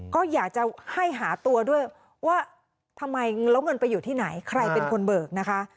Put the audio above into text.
ก็อยากจะให้หาตัวด้วยว่าทำไมแล้วเงินไปอยู่ที่ไหนใครเป็นคนเบิกนะคะ